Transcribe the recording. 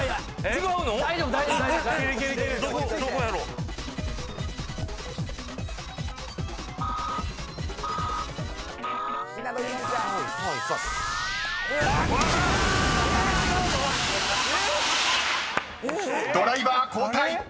違うの⁉［ドライバー交代］